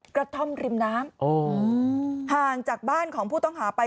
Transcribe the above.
กระท่อมริมน้ำห่างจากบ้านของผู้ต้องหาไป